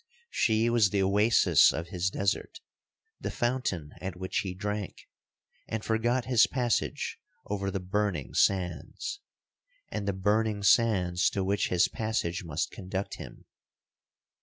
She was the Oasis of his desert—the fountain at which he drank, and forgot his passage over the burning sands—and the burning sands to which his passage must conduct him.